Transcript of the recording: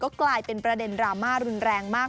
กลายเป็นประเด็นดราม่ารุนแรงมาก